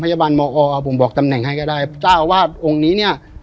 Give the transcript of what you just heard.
พยาบาลมอผมบอกตำแหน่งให้ก็ได้จ้าว่าองค์นี้เนี้ย